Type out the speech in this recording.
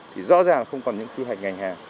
thì rõ ràng là không còn những quy hoạch ngành hàng